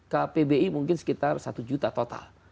kpbi mungkin sekitar satu juta total